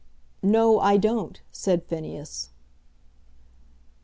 "No, I don't," said Phineas.